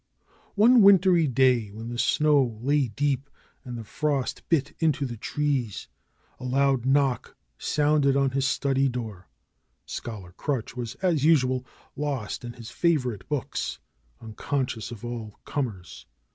One wintry day when the snow lay deep and the frost bit into the trees a loud knock sounded on his study door. Scholar Crutch was, as usual, lost in his favor ite books, unconscious of all comers.